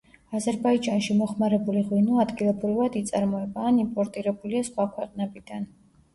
აზერბაიჯანში მოხმარებული ღვინო ადგილობრივად იწარმოება ან იმპორტირებულია სხვა ქვეყნებიდან.